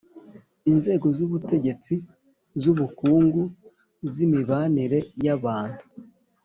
inzego z'ubutegetsi, z'ubukungu, z'imibanire y'abantu.